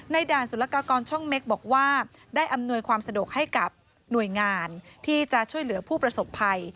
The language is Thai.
ด่านสุรกากรช่องเม็กบอกว่าได้อำนวยความสะดวกให้กับหน่วยงานที่จะช่วยเหลือผู้ประสบภัย